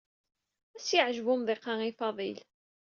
Ad as-yeɛjeb umḍiq-a i Faḍil.